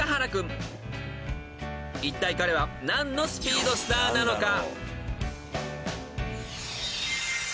［いったい彼は何のスピードスターなのか？］